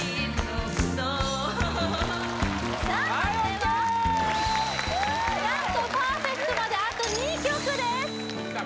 はいＯＫ何とパーフェクトまであと２曲です・さあ